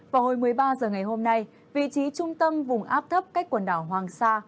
vào hồi một mươi ba h ngày hôm nay vị trí trung tâm vùng áp thấp cách quần đảo hoàng sa